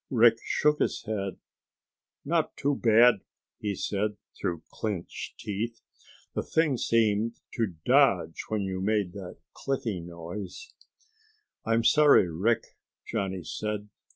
Rick shook his head. "Not too bad," he said through clenched teeth. "The thing seemed to dodge when you made that clicking noise." "I'm sorry, Rick," Johnny said.